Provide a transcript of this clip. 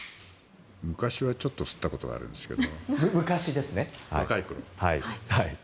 昔はちょっと吸ったことがあるんですけど。